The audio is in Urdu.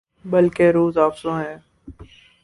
بلکہ روزافزوں ہے